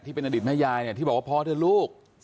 เป็นอดีตแม่ยายเนี่ยที่บอกว่าพ่อเถอะลูก